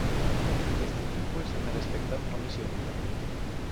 Este timpul să ne respectăm promisiunile.